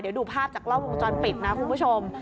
เดี๋ยวดูภาพจากกล้องวงจรปิดนะคุณผู้ชม